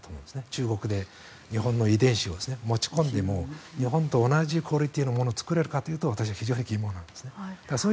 中国で日本の遺伝子を持ち込んでも日本と同じクオリティーのものを作れるかというと私は非常に疑問です。